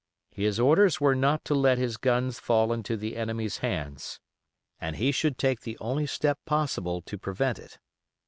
His orders were not to let his guns fall into the enemy's hands, and he should take the only step possible to prevent it.